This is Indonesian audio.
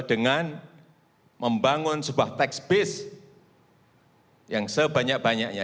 dengan membangun sebuah tax base yang sebanyak banyaknya